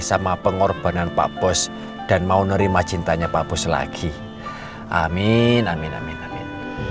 sama pengorbanan pak bos dan mau nerima cintanya pak bos lagi amin amin amin amin